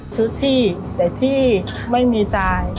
ซื้อที่แต่ที่ไม่มีทราย